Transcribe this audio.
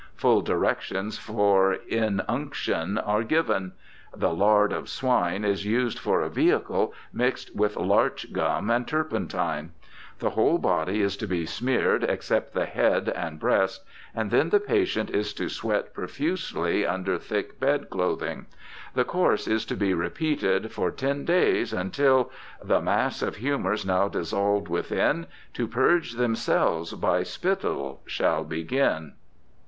Full directions for in unction are given. The 'lard of swine' is used for a vehicle, mixed with larch gum and turpentine. The whole body is to be smeared except the head and breast, and then the patient is to sweat profusely under thick bed clothing. The course is to be repeated for ten days until The mass of humours now dissolved within, To purge themselves by spittle shall begin.